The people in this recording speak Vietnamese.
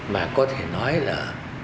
mà có thể nói là